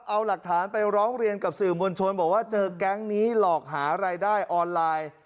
เอาหลักฐานไปร้องเรียนกับสื่อมวลชนบอกว่าเจอแก๊งนี้หลอกหารายได้ออนไลน์